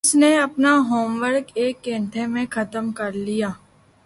اس نے اپنا homework ایک گھنٹے میں ختم کر لیا